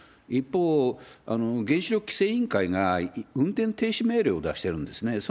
一方、原子力規制委員会が運転停止命令を出してるんですね。